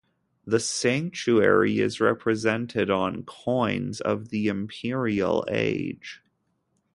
The sanctuary is represented on coins of the Imperial age.